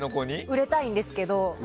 売れたいんですけど。